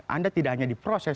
anda tidak hanya diproses